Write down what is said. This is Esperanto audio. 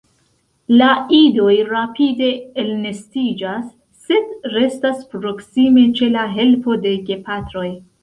La idoj rapide elnestiĝas sed restas proksime ĉe la helpo de gepatroj.